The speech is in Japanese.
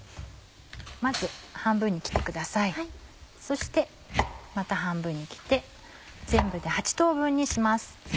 そしてまた半分に切って全部で８等分にします。